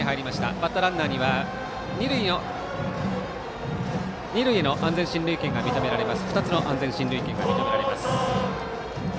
バッターランナーには二塁への２つの安全進塁権が認められます。